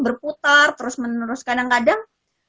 berputar terus menerus kadang kadang